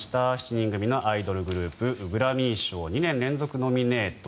７人組のアイドルグループグラミー賞２年連続ノミネート。